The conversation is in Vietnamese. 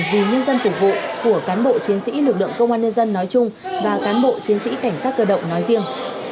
vì nhân dân phục vụ của cán bộ chiến sĩ lực lượng công an nhân dân nói chung và cán bộ chiến sĩ cảnh sát cơ động nói riêng